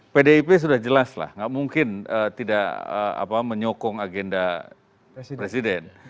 pdip sudah jelaslah enggak mungkin tidak menyokong agenda presiden